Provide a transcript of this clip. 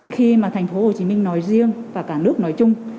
khi mà thành phố hồ chí minh nói riêng và cả nước nói chung